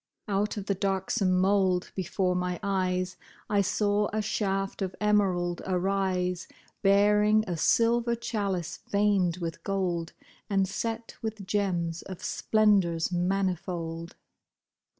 Out of the darksome mould, before my eyes I saw a shaft of emerald arise. Bearing a silver chalice veined with gold. And set with gems of splendors manifold.